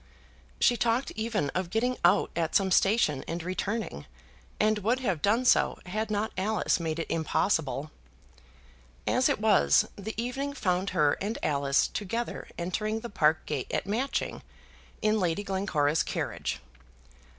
She talked even of getting out at some station and returning, and would have done so had not Alice made it impossible. As it was, the evening found her and Alice together entering the park gate at Matching, in Lady Glencora's carriage.